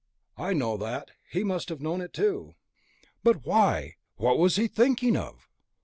"I know that. He must have known it too." "But why? What was he thinking of?"